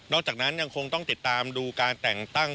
จากนั้นยังคงต้องติดตามดูการแต่งตั้ง